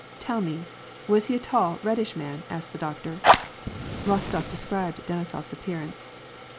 '< Tell me, was he a tall, reddish man ?'' asked the doctor. Bostof described Denisof s appearance.